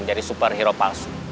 jadi superhero palsu